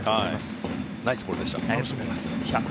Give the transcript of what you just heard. ナイスボールでした。